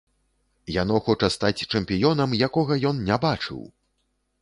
Яно хоча стаць чэмпіёнам, якога ён не бачыў!